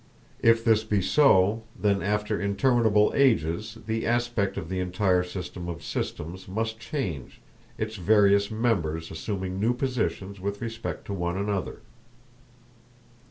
If this be so, then after interminable ages the aspect of the entire system of systems must change, its various members assuming new positions with respect to one another.